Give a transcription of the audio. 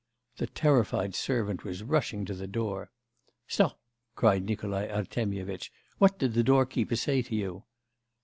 The terrified servant was rushing to the door. 'Stop!' cried Nikolai Artemyevitch. 'What did the doorkeeper say to you?